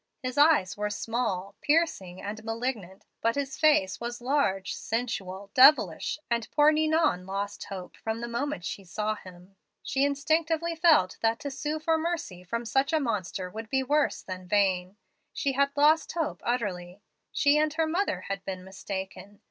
His eyes were small, piercing, and malignant, but his face was large, sensual, devilish, and poor Ninon lost hope from the moment she saw him. She instinctively felt that to sue for mercy from such a monster would be worse than vain. She had lost hope utterly. She and her mother had been mistaken.